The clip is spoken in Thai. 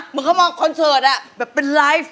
มึงเข้ามองคอนเซิร์ตแบบเป็นไลฟ์